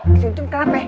ncum kenapa ya